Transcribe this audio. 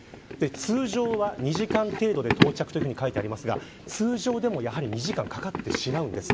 通常は２時間程度で到着と書いていますが通常でも、やはり２時間かかってしまうんです。